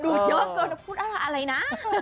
ดูดเยอะกว่าพูดอะไรนะ